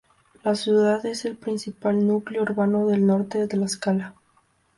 La ciudad es el principal núcleo urbano del norte de Tlaxcala.